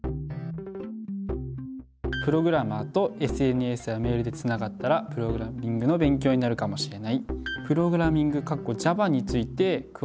プログラマーとＳＮＳやメールでつながったらプログラミングの勉強になるかもしれない。